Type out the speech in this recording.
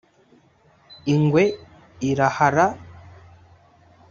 ingwe irahara